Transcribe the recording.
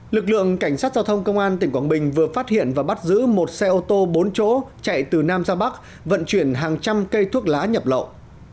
lực lượng cảnh sát giao thông công an tỉnh quảng bình vừa phát hiện và bắt giữ một xe ô tô bốn chỗ chạy từ nam ra bắc vận chuyển hàng trăm cây thuốc lá nhập lậu